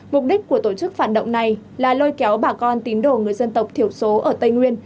mục đích của tổ chức phản động này là lôi kéo bà con tín đồ người dân tộc thiểu số ở tây nguyên